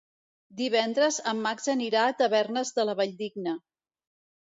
Divendres en Max anirà a Tavernes de la Valldigna.